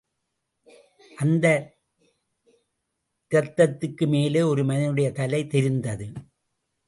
அந்த இரத்தத்துக்கு மேலே ஒரு மனிதனுடைய தலை தெரிந்தது.